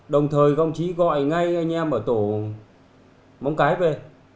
đồng thời các ông chí gọi ngay anh em ở tổ móng cái về